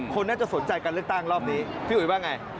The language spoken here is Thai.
คนน่าจะสนใจการเลือกตั้งรอบนี้พี่อุ๋ยว่าไง